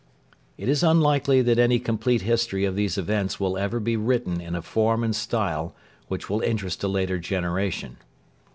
It is unlikely that any complete history of these events will ever be written in a form and style which will interest a later generation.